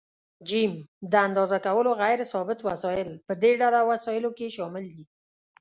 ج: د اندازه کولو غیر ثابت وسایل: په دې ډله وسایلو کې شامل دي.